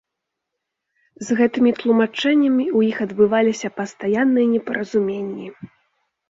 З гэтымі тлумачэннямі ў іх адбываліся пастаянныя непаразуменні.